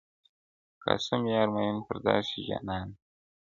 قاسم یار مین پر داسي جانانه دی.